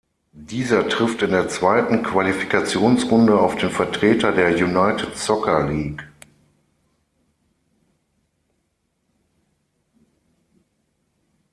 Dieser trifft in der zweiten Qualifikationsrunde auf den Vertreter der United Soccer League.